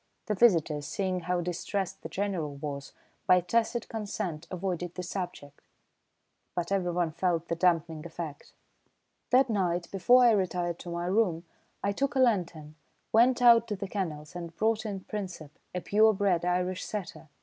The visitors, seeing how distressed the General was, by tacit consent avoided the subject, but everyone felt the dampening effect. That night, before I retired to my room, I took a lantern, went out to the kennels and brought in Princep, a pure bred Irish setter.